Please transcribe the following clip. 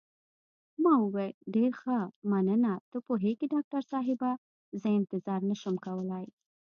ما وویل: ډېر ښه، مننه، ته پوهېږې ډاکټر صاحبه، زه انتظار نه شم کولای.